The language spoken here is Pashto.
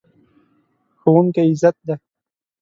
ښوونکی عزت دی.